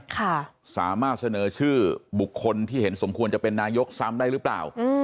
ค่ะสามารถเสนอชื่อบุคคลที่เห็นสมควรจะเป็นนายกซ้ำได้หรือเปล่า